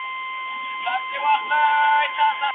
دا ړوند سړی تر بل هغه د ږیري سره ډېري مڼې خوري.